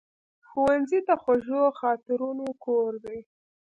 ښوونځی د خوږو خاطرونو کور دی